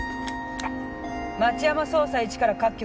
町山捜査１から各局。